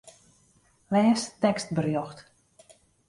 Lês tekstberjocht.